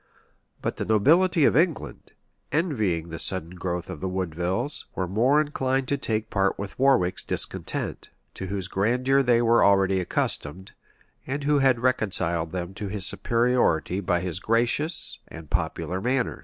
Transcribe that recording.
But the nobility of England, envying the sudden growth of the Woodevilles,[] were more inclined to take part with Warwick's discontent, to whose grandeur they were already accustomed, and who had reconciled them to his superiority by his gracious and popular manners.